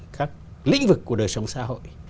các lĩnh vực của đời sống xã hội